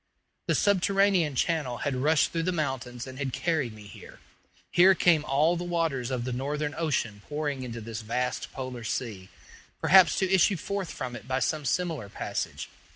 The subterranean channel had rushed through the mountains and had carried me here. Here came all the waters of the Northern ocean pouring into this vast polar sea, perhaps to issue forth from it by some similar passage.